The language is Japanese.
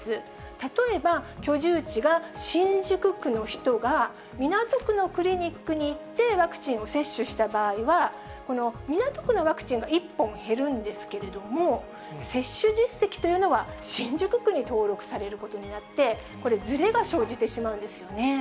例えば、居住地が新宿区の人が、港区のクリニックに行ってワクチンを接種した場合は、この港区のワクチンが１本減るんですけれども、接種実績というのは新宿区に登録されることになって、これ、ずれが生じてしまうんですよね。